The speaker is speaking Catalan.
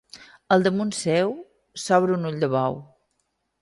Al damunt seu s'obre un ull de bou.